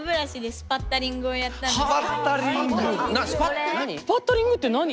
スパッタリングって何？